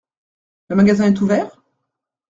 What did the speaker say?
Le magasin est ouvert ?